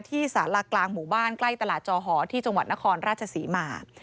สารากลางหมู่บ้านใกล้ตลาดจอหอที่จังหวัดนครราชศรีมา